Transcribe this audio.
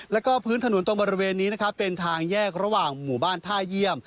แล้วก็พื้นถนนตรงบริเวณนี้นะครับเป็นทางแยกระหว่างหมู่บ้านท่าเยี่ยม